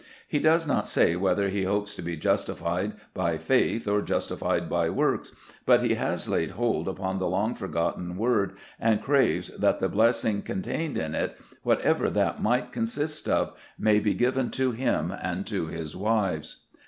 He does not say whether he hopes to be justified by faith or justified by works, but he has laid hold upon the long forgotten word, and craves that the blessing contained in it, whatever that might consist of, may be given to him and to his wives."